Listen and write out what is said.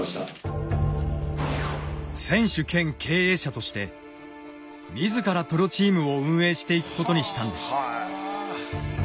として自らプロチームを運営していくことにしたんです。